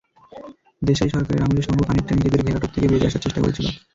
দেশাই সরকারের আমলে সংঘ খানিকটা নিজেদের ঘেরাটোপ থেকে বেরিয়ে আসার চেষ্টা করেছিল।